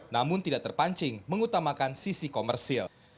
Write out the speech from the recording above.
namun tidak terpancing mengutamakan sisi komersil